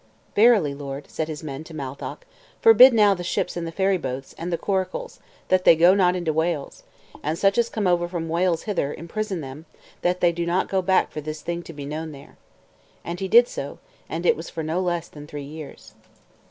"Verily, lord," said his men to Matholch, "forbid now the ships and the ferry boats, and the coracles, that they go not into Wales, and such as come over from Wales hither, imprison them, that they go not back for this thing to be known there." And he did so; and it was thus for no less than three years.